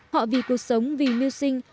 họ vì cuộc sống vì miêu sinh